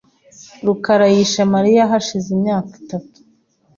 rukara yishe Mariya hashize imyaka itatu .